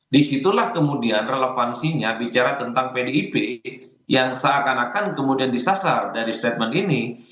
disitulah kemudian relevansinya bicara tentang pdip yang seakan akan kemudian disasar dari statement ini